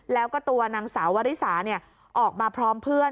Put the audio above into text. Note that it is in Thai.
แล้วก็ตัวนางสาววริสาออกมาพร้อมเพื่อน